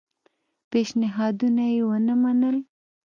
پېشنهادونه یې ونه منل.